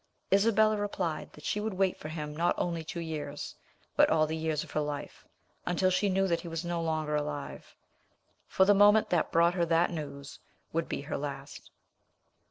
Isabella replied that she would wait for him not only two years, but all the years of her life, until she knew that he was no longer alive; for the moment that brought her that news would be her last.